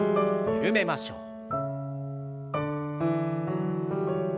緩めましょう。